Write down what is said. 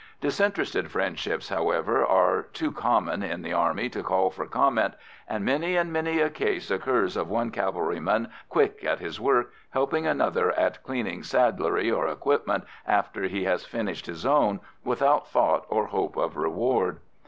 Disinterested friendships, however, are too common in the Army to call for comment, and many and many a case occurs of one cavalryman, quick at his work, helping another at cleaning saddlery or equipment after he has finished his own, without thought or hope of reward.